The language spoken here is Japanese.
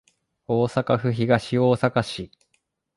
大阪府東大阪市